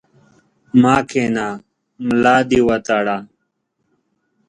مه کښېنه ، ملا دي وتړه!